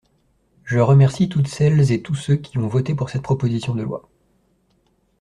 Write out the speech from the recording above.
Je remercie toutes celles et tous ceux qui ont voté cette proposition de loi.